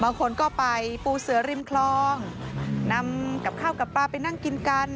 บางคนก็ไปปูเสือริมคลองนำกับข้าวกับปลาไปนั่งกินกัน